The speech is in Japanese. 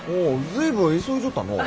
随分急いじょったのう。